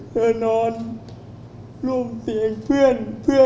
เธอนอนร่วมเสียงเพื่อน